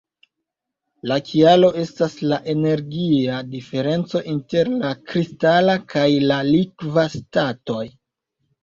La kialo estas la energia diferenco inter la kristala kaj la likva statoj.